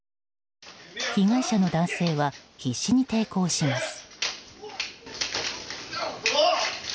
被害者の男性は必死に抵抗します。